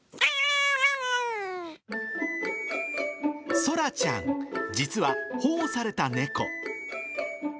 宙ちゃん、実は保護された猫。